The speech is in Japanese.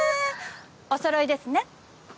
おそろいですね。